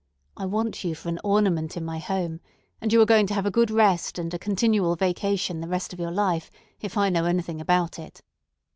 I want you for an ornament in my home, and you are going to have a good rest and a continual vacation the rest of your life, if I know anything about it.